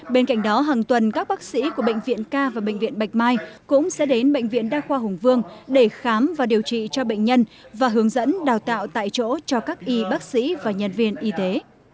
bên cạnh đó hàng tuần các bác sĩ của bệnh viện ca và bệnh viện bạch mai cũng sẽ đến bệnh viện đa khoa hùng vương để khám và điều trị cho bệnh nhân và hướng dẫn đào tạo tại chỗ cho các y bác sĩ và nhân viên y tế